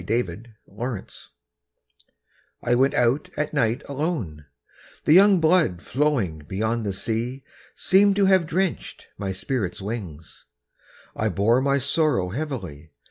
Winter Stars I went out at night alone; The young blood flowing beyond the sea Seemed to have drenched my spirit's wings I bore my sorrow heavily.